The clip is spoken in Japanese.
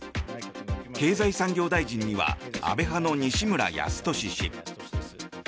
経済産業大臣には安倍派の西村康稔氏。